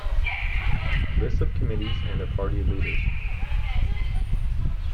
Lists of committees and their party leaders.